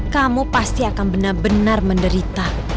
kamu pasti akan benar benar menderita